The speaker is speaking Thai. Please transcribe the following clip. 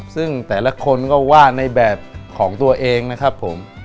ซึ่งแต่ละคนก็ว่าในแบบของตัวเองนะครับผม